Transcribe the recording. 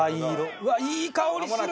うわっいい香りする！